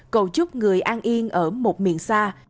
cầu chúc người an yên ở một miền xa